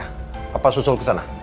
papa susul ke sana